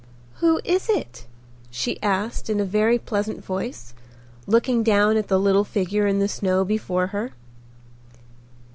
"Who is it?" she asked in a very pleasant voice, looking down at the little figure in the snow before her.